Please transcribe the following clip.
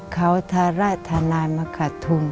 เขาทาระทานายมากขาดทุ่ม